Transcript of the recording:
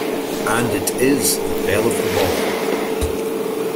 And it is the belle of the ball.